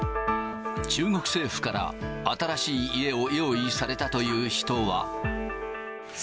中国政府から新しい家を用意されたという人は。